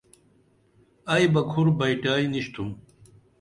ائی بہ کُھر بئٹائی نِشِتُھم